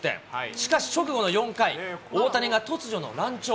しかし直後の４回、大谷が突如の乱調。